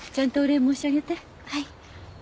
はい。